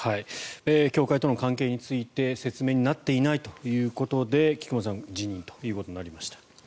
教会との関係について説明にはなっていないということで菊間さん辞任ということになりました。